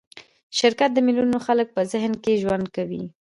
شرکت د میلیونونو خلکو په ذهن کې ژوند کوي.